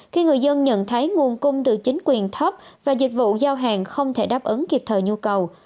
khi người dân nhận thấy nguồn cung từ chính quyền thấp và dịch vụ giao hàng không thể đáp ứng kịp thời nhu cầu